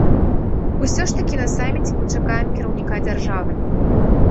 Усё ж такі на саміце мы чакаем кіраўніка дзяржавы.